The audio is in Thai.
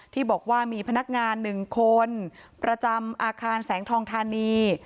ที่บอกว่ามีพนักงาน๑คนประจำอาคารแสงทองธานี